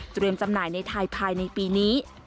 จำหน่ายในไทยภายในปีนี้